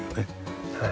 はい。